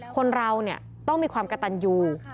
คนเราต้องมีความกระตันอยู่